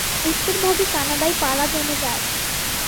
উত্তরভাগে কানাডায় পারা জমে যায়।